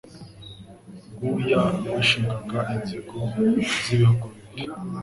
Rwuya rwishingaga inzigo Z'ibihugu bibiri.